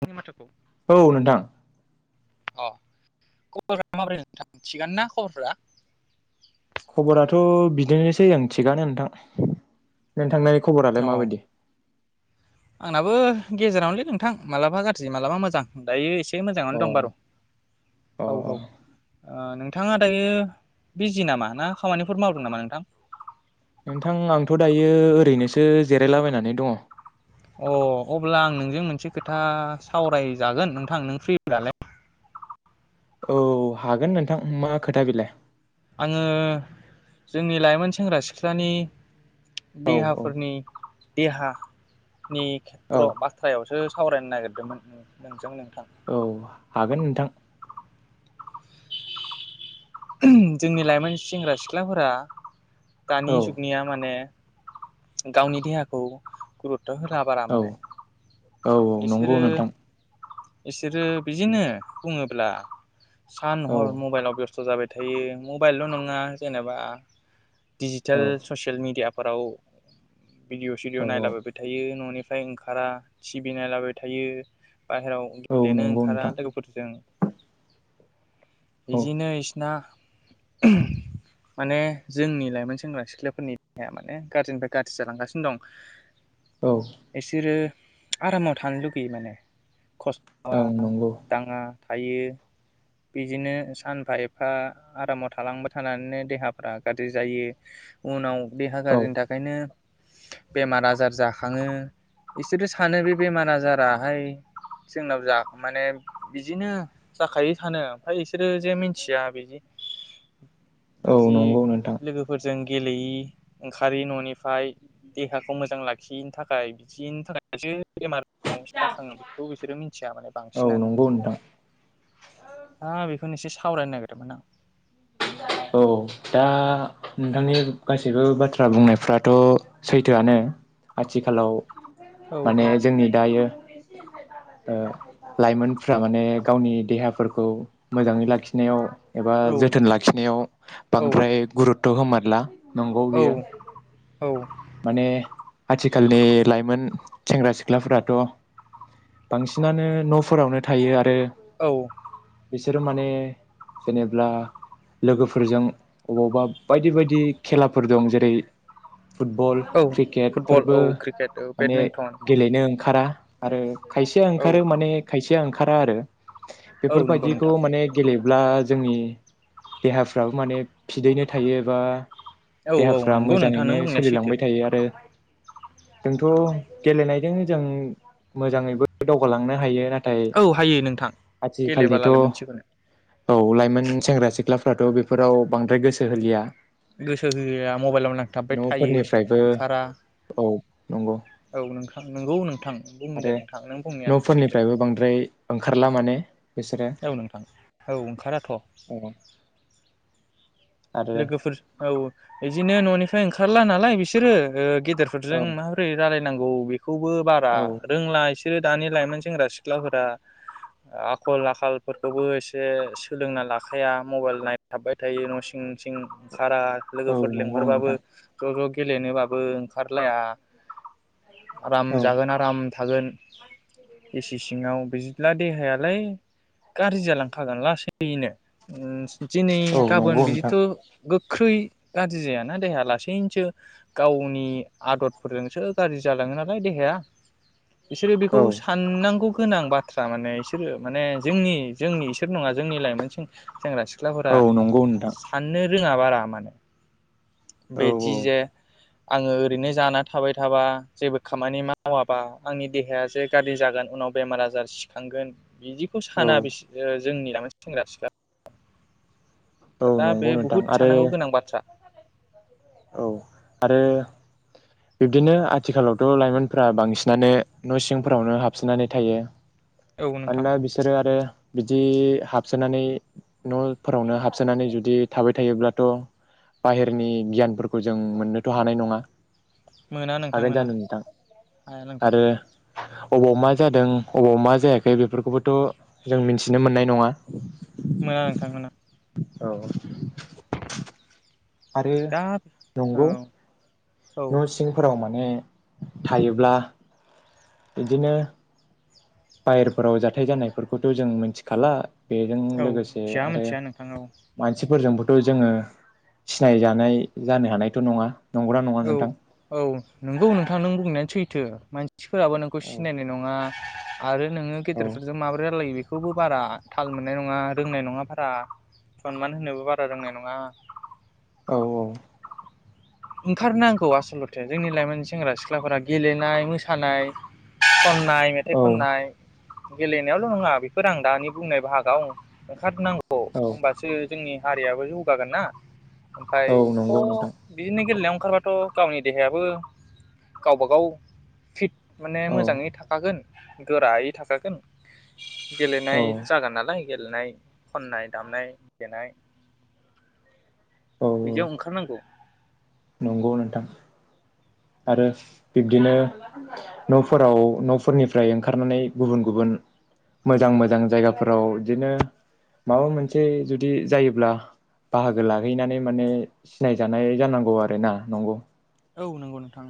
थांनि माथोखौ औ नोंथां। अ खबरा माब्रै नोंंथां थिगयानो ना खबरफ्रा? खबराथ' बिदिनोसै ओं थिगानो नोंथां। नोंथांनि खबरालाय अ माबायदि? आंनाबो गेजेरावनोलै नोंथां मालाबा गाज्रि मालाबा मोजां। दायो ए से मोजाङानो अ दं बारु। अ औ औ। ओ नोंथाङा दायो बिजि नामा ना खामानिफोर मावदों नामा नोंथां? नोंथां आंथ' दायो ओरैनोसो जिरायलाबायनानै दङ'। अ अब्ला आं नोंजों मोनसे खोथा सावरायजागोन नोंथां नों फ्रिब्लालाय। औ हागोन नोंथां । मा खोथा बिलाय? आङो जोंनि लाइमोन सेंग्रा सिख्लानि औ औ देहाफोरनि देहा नि औ खेथ्र' बाथ्रायावसो सावरायनो नागिरदोंमोन नोंजों नों औ हागोन नोंथां। जोंनि लाइमोन सेंग्रा सिख्लाफोरा दानि औ जुगनिया माने गावनि देहाखौ गुरु थ' होला बारा औ माने । औ नंगौ इसोरो नोंथां इसोरो बिजोंनो बुङोब्ला सान औ हर मबाइलाव बेस थ' जाबाय थायो मबाइलल' नङा जेनेबा दिडिजिटेल औ औ ससियेल मिडिया फोराव भिदिअ' सिडिअ' औ नायलाबायबाय थायो न'नि फ्राय ओंखारा टिभि नायलाबाय थायो। बाहेरायाव औ गेलेनो नंगौ ओंखारा नोंथां लोगोफोरजों। औ इदिनो [unintelligible] दा माने जोंनि लाइमोन सेंग्रा सिख्लाफोरनि देहाया माने गाज्रिनिफ्राय गाज्रि जालांगासिनो दं। औ इसोरो आरामाव थानो लुगैयो माने। खस्थ' औ [unintelligible] नंगौ दाङा। थायो बिदिनो सानफा ए फा आरामाव थालांबाय थानानैनो देहाफ्रा गाज्रि जायो। उनाव देहा औ गाज्रिनि थाखायनो बेमार आजार जाखाङो बिसोरो सानो बे बेमार आजाराहाय जोंनाव जा माने बिदिनो जाखायो सानो ओमफाय बिसोरो जे मि थिया बेदि औ बिदि नंगौ नोंथां लोगोफोरजों गेलेयि, ओंखारि न'निफाय देहाखौ मोजां लाखियैनि थाखाय बिदिनि थाखायसो बेमार [unintelligible] जाखाङो बेखौ बिसोरो मिथिया माने औ बांसिनानो। नंगौ नोंथां थाङा बेखौनो एसे सावरायनो नागिरदोंमोन आं। औ दा नोंथांनि गासैबो बाथ्रा बुंनायफ्राथ' सैथोआनो। आथिखालाव माने औ जोंनि दायो ओ लाइमोनफ्रा माने गावनि देहाफोरखौ मोजाङै लाखिनायाव एबा औ जो जोथोन औ लाखिनायाव औ बांद्राय गुरुत्थ' होमा। ला नोंगौ औ बियो। औ माने आथिखालनि लाइमोन। सेंग्रा सिख्लाफोराथ' बांसिनानो न'फोरावनो थायो आरो। औ। बिसोरो माने जेनेबला लोगोफोरजों अबावबा बायदि बायदि खेलाफोर दं जेरै फुटबल, औ क्रिकेट फुटबल फोरबो औ क्रिकेट औ माने बेडमिन्टन गेलेनो ओंखारा। आरो खायसेया औ ओंखारो माने खायसे। ओंखारा आरो। औ नंगौ बेफोरबायदिखौ नोंथां माने गेलेब्ला। जोंनि देहाफ्राबो माने फिदैनो थायो एबा औ औ देहाफ्रा नंगौ नोंथां नों मोजाङैनो बुंनाया सैथो सोलिलांबाय थायो आरो। जोंथ' गेलेनायदों जों मोजाङैबो दावगालांनो हायो नाथाय थाय औ हायो नोंथां आथिखालनिथ' गेलेबालाय मोनसेखौनो औ लाइमोन सेंग्रा सिख्ला सिख्लाफ्राथ' बेफोराव बांद्राय गोसो होलिया। गोसो होआ मबाइलाव नांथाबबाय थाय फोरनिफ्रायबो औ। नंगौ औ नोंथां नंगौ नोंथां बुं आरो दे नोंथां नों बुंनायानो सैथो। न'फोरनिफ्रायबो बांद्राय ओंखारला माने। बिसोरो औ नोंथां औ ओंखाराथ'। औ आरो लोगोफोर औ बिदिनो न'नि। ओंखारला नालाय बिसोरोे। औ रफोरजों माबोरै रायलाय नांगौ बे बेखौबो बारा औ रोंला एस सोरो दानि लाइमोन सेंग्रा सिख्लाफोरा आखल आखालफोरखौबो इसे सोलोंना लाखाया मबेल नाय थाबबाय थायो न' सिं थिं ओंखारा औ लोगोफोर नंगौ लेंहरबाबो नोंथां ज ज गेलेनोबाबो ओंखारलाया आराम औ जागोन आराम थागोन। इसे सिङाव बिज ला देहायालाय गाज्रि जालांखागोन लासैनो उम दिनै औ गाबोन नंगौ बिदि थ' नोंथां गो गोख्रै गाज्रि जायाना देहाया लासैनोसो गावनि आदरफोरजोंसो गाज्रि जालाङो नालाय देहाया। बिसोरो बेखौ औ साननांगौ गोनां बाथ्रा माने बिसोरो माने जोंनि जोंनि इसोर नङा जोंनि लाइमोनसिं सें सेंग्रा सिख औ नंगौ नोंथां। नो रोङा बारा मानोे? औ बेदि जे आङो ओरैनो जाना थाबाय थाबा जेबो खामानि मावाबा आंनि देहायासो गाज्रि जागोन उनाव बेमार आजार सिखांगोन । बिदिखौ साना औ बिसो ओ जोंनि लाइमोन सेंग्रा सिख्ला औ दा नंगौ बे नोंथां बहुद आरो सानांगौ गोनां बाथ्रा। औ आरो बिब्दिनो आथिखालावथ' लाइमोनफोरा बांसिनानो न' सिंफोरावनो हाबसिननानै थायो। औ नोंथां मानोना बिसोरो आरो बिदि हाबसोनानै न'फोरावनो हाबसोनानै जुदि थाबाय थायोब्लाथ' बाहेरनि गियानफोरखौ जों मोननोथ' हानाय नङा। मोना नोंथां हागोन मोना जानो नोंथां हाया नोंथां। आरो अबाव मा जादों अबाव मा जायाखै बेफोरखौबोथ' जों मिन्थिनो मोननाय नङा। मोना नोंथां मोना। औ। आरो दा औ नंगौ। औ न' सिंफोराव माने थायोब्ला बिदिनो बायेरफोराव जाथाय जानायफोरखौथ' जों मिन्थिखाला बेजों औ लोगोसे मिथिया आरो मिथिया नोंथां औ मानसिफोरजोंबो थ' जोङो सिनायजानाय जानो हानायथ' नङा। नंगौना नङा औ नोंथां औ नोंगौ नोंथां नों बुंनायानो सैथो। मानसिफोराबो नोंखौ औ सिनायनाय नङा। आरो नोङो औ गेदेरफोरजों माबोरै रायलायो बे बेखौबो बारा थाल मोननाय नङा रोंनाय नङा बारा सनमान होनोबो बारा रोंनाय नङा। औ औ ओंखारनांगौ आसल'थे जोंनि लाइमोन सेंग्रा सिख्लाफोरा गेलेनाय, मोसानाय सम खनाय मेथाइ औ खननाय गेलेनायावल' नङा। बेफोर आं दानि बुंनाय बाहागाव ओंखारनांगौ। औ होनबासो जोंनि हारियाबो जौगागोन ना। ओमफाय औ थ' नंगौ नोंथां बिनि गेलेनायाव ओंखारबाथ' गावनि देहायाबो गावबा गाव फिट माने औ मोजाङै थाखागोन। गोरायै थाखागोन औ गेलेनाय जागोन नालाय गेलेनाय खनाय, दामनाय देनाय, औ बिदियावओंखारनांगौ। नंगौ नोंथां। आरो बिब्दिनो न'फोराव न'फोरनिफ्राय ओंखारनानै गुबुन गुबुन मोजां मोजां जायगाफोराव बिदिनो माबा मोनसे जुदि जायोब्ला बाहागो लाहैनानै माने सिनायजानाय जानांगौ आरो ना नंगौ। औ नंगौ नोंथां।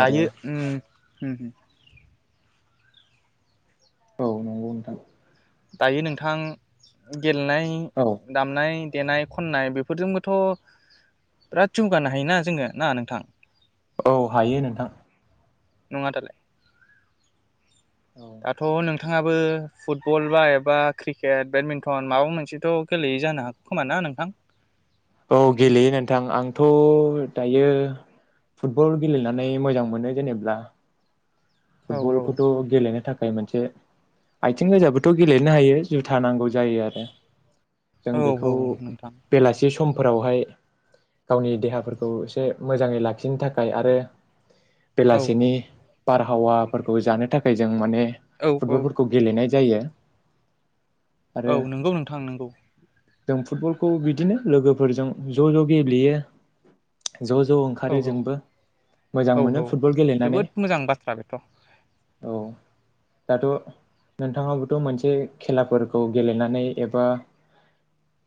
आरो ओम ओ होम औ नोंगौ नोंथां। दायो नोंथां गेलेनाय, औ दामनाय देनाय खननाय बेफोरजोंबोथ' बिराद जौगानो हायोना जोङो ना नोंथां? औ हायो नोंथां। नङा दालाय? औ दाथ' नोंथाङाबो फुटबल बा एबा क्रिकेट बेडमिन्टन माबा मोनसेथ' गेलेयो जानो हागौ खोमा ना नोंथां? औ गेलेयो नोंथां। आंथ' दायो फुटबल गेलेनानै मोजां मोनो जेनेब्ला। औ औ फुटबलखौथ' गेलेनो थाखाय मोनसे से आथिं गोजाबोथ' गेलेनो हायो जुथा नांगौ जायो आरो जों औ औ बेखौ नोंथां बेलासि समफोरावहाय गावनि देहाफोरखौ एसे मोजाङै लाखिनो थाखाय आरो औ बेलासिनि हावाफोरखौ जानो थाखाय जों माने औ औ फुटबलफोरखौ गेलेनाय जायो। आरो औ नंगौ नोंथां नंगौ। जों फुटबलखौ बिदिनो लोगोफोरजों ज' ज' गेलेयो । ज' ज' औ ओंखारो जोंबो मोजां मोनो फुटबल गेलेनानै थ' औ दाथ' नोंथाङाबोथ' मोनसे खेलाफोरखौ गेलेनानै एबा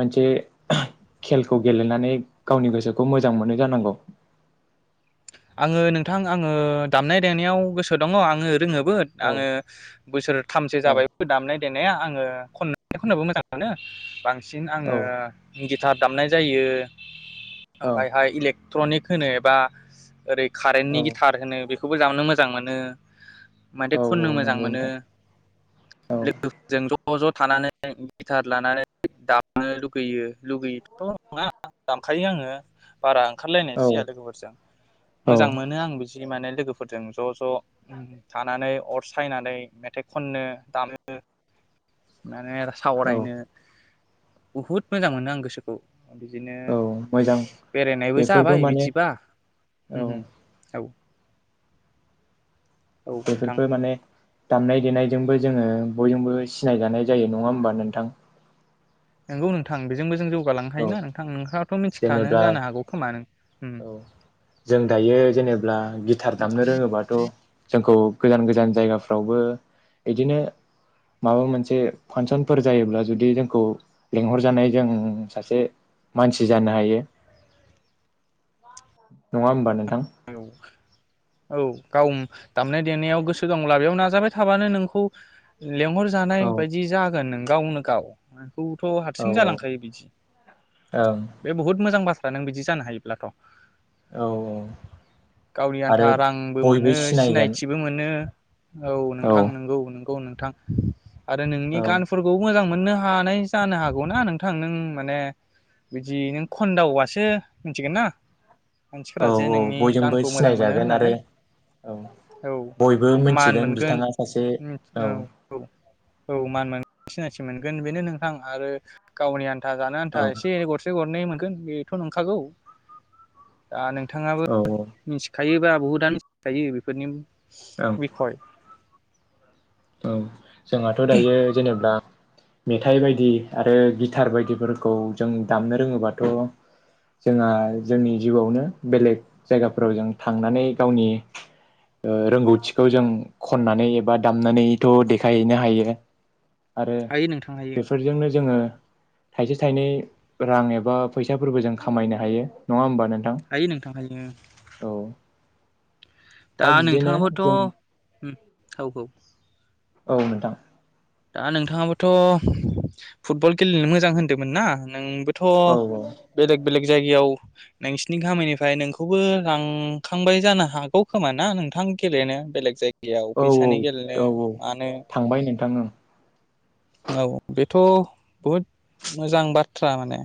मोनसे खेलखौ गेलेनानै गावनि गोसोखौ मोजां मोनो जानांगौ? आङो नोंथां आङो दामनाय देनायाव गोसो दङ आङो रोङो। बोथ औ आङो बोसोरथामसो औ जाबायबो दामनाय देनाया आं आङो खन खननोबो मोजां मोनो बां सिन औ आङो इंगिथ जा दामनाय जायो औ ओमफ्राय हाय इलेक ट्रनिक होनो एबा ओरै कारेन्टनि औ गिथार होनो बेखौ बेखौबो दामनो मोजां मोनो। मेथाइ औ खननो औ मोजां नंगौ मोनो नोंथां औ लोगोफोरजों ज' ज' ज' थानानै गिटार लानानै दामनो लुगैयो लुगैयोथ' नङा दामखायो आङो। बारा औ ओंखारलायनायसो जाया लोगोफोरजों। औ मोजां मोनो आं बि जि माने लोगोफोरजों ज' ज' थानानै अर सायनानै मेथाइ खननो दामो माने औ सावरायनो बुहुद मोजां मोनो आं गोसोखौ । बिदिनो औ मोजां बेरायनायबो बेफोरबो जाबाय माने बिदिबा। औ। औ। औ नोंथां बेफोरबो माने दामनाय देनायजोंबो जोङो बयजोंबो सिनायजानाय जायो नङा होमबा नोंथां? नंगौ नोंथां बेजोंबो जों जौ जौगा लांनो औ हायो ना नोंथां नोंथाङाथ' मिथिखानो जेनेबा जानो हागौ खोमा नों औ जों दायो जेनेबा गिटार दामनो रोङोबाथ' जों खौ गोजान गोजान जायगाफ्रावबो बिदिनो माबा मोनसे फांसनफोर जायोब्ला जुदि जोंखौ लेंहर जानाय जों सासे मानसि जानो हायो । नङा होमबा नों औ औ। दामनाय देनायाव गोसो दंब्ला बेयाव नाजाबाय थाबानो नोंखौ लेंहरजानाय औ बायदि जागोन नों गावनो गाव खौथ' औ हारसिं जालांखायो बिदि ओं बे बहुद मोजां बा नों बिदि जानो हायोब्लाथ' औ गावनि आरो आन्था रांबो बयबो मोनो सिनायगोन सिनायथिबो मोनो। औ नोंथां नोंगौ नोंगौ नों थां आरो नोंनि औ गानफोरखौबो मोजां मोनो मोननो हानाय जानो हागौ ना नोंथां नों माने बिदि नों खन्दावासो मिथिगोन ना औ मानसिफोरा जे औ नोंनि बयजोंबो गानखौ मोजां मोनो सिनायजागोन आरो होननानै औ औ बयबो मान मिथिगोन मोनगोन बिथाङा सासे औ औ मान मोनगोन सिनायथि मोनगोन बेनो नोंथां आरो गावनि आ आन्था जानो औ आन्थासेन गरसे गरनै मोन गोन बेथ' नंखागौ। आ नों बिथाङाबो औ मिथिखा थायोबा बहुतआानो मिथिखायो बेफोरनि ओं बिखय औ जोंहाथ' दायो जेनेबा मेथाइ बायदि आरो गिथार बायदिफोरखौ जों दामनो रोङोबाथ' जोंहा जोंनि जिउआवनो बेलेग जायगाफोराव जों थांनानै गावनि रोंगौथिखौ जों खननानै एबा दाम खालामनानैथ' देखायहैनो हायो। आरो हायो नोंथां हायो बेफोरजोंनो जोङो थाइसे थाइनै रां एबा फैसाफोरबो जों खामायनो हायो नङा होमबा नोंथां हायो नोंथां हायो औ दा बिदिनो नोंथाङाबोथ' औ जों औ औ नोंथां दा नोंथाङाबोथ' फुटबल गेलेनो मोजां होन्दोंमोन ना नोंबो थ औ बेलेग बेलेग जायगायाव नोंसिनि गामिनिफ्राय नोंखौबो लांखांबाय जानो हागौ खोमा ना नोंथां गेलेनो बेलेग जायगायाव औ औ फैसानि गेलेनो औ औ मानो थांबाय नोंथां ओं औ बेथ' बहुद मोजां बाथ्रा माने।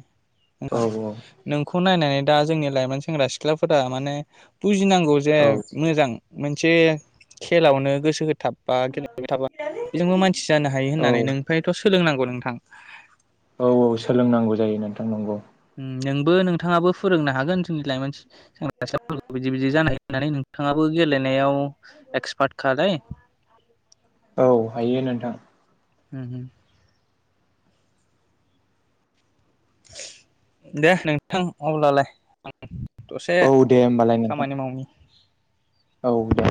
औ नोंखौ खौ नायनानै दा जोंनि लाइमोन सेंग्रा सिख्लाफोरा माने बुजिनांगौ जे औ मोजां। मोनसे खेलावनो गोसो होथाब। बा गेलेबाय थाबा बेजोंबो मान जानो हायो औ होननानै नोंनिफ्राय थस सोलोंनांगौ नोंथां। औ औ सोलोंनांगौ जायो नोंथां नंगौ। उम नोंबो नोंथाङाबो फोरोंनो हागोन जोंनि लाइमोन सेंग्रा सिख्लाफोरखौ बिदि बिदि जानाय होननानै नोंथाङाबो गेलेनायाव एक्सपार्ट खालाय औ हायो नोंथां। हम हम। दे नोंथां अब्लालाय। दसे औ दे होमबालाय नोंथां खामानि मावनि। औ दे।